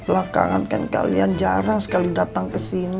lah kangen kan kalian jarang sekali datang ke sini